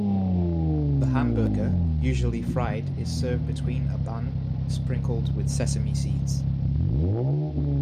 The hamburger, usually fried, is served between a bun, sprinkled with sesame seeds.